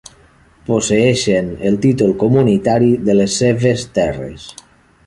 Posseeixen el títol comunitari de les seves terres.